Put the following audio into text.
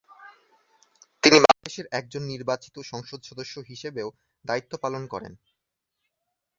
তিনি বাংলাদেশের একজন নির্বাচিত সংসদ সদস্য হিসেবেও দায়িত্ব পালন করেন।